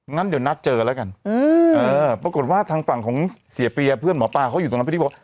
งั้นเดี๋ยวนัดเจอแล้วกันปรากฏว่าทางฝั่งของเสียเปียเพื่อนหมอปลาเขาอยู่ตรงนั้นพอดีบอก